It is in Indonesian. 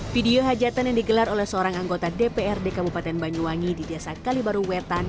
video hajatan yang digelar oleh seorang anggota dprd kabupaten banyuwangi di desa kalibaru wetan